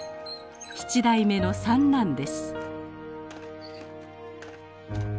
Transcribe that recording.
七代目の三男です。